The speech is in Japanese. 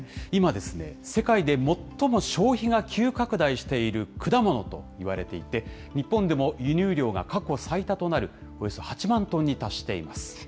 今、世界で最も消費が急拡大している果物といわれていて、日本でも輸入量が過去最多となる、およそ８万トンに達しています。